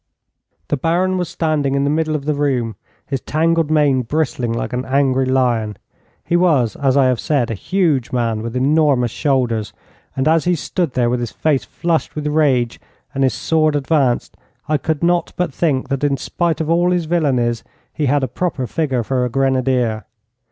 The Baron was standing in the middle of the room, his tangled mane bristling like an angry lion. He was, as I have said, a huge man with enormous shoulders; and as he stood there, with his face flushed with rage and his sword advanced, I could not but think that, in spite of all his villainies, he had a proper figure for a grenadier.